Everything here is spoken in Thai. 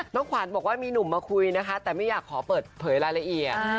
ขวัญบอกว่ามีหนุ่มมาคุยนะคะแต่ไม่อยากขอเปิดเผยรายละเอียด